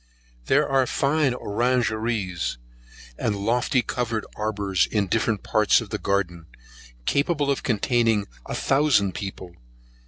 There are fine orangeries, and lofty covered arbours in different parts of the garden, capable of containing a thousand people.